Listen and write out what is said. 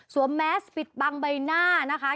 แมสปิดบังใบหน้านะคะ